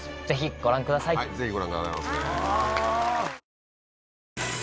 ぜひご覧くださいませ。